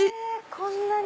こんなに。